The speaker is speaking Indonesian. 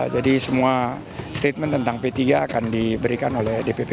jadi semua statement tentang p tiga akan diberikan oleh dpp p tiga